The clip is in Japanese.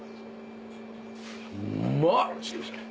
うんまっ！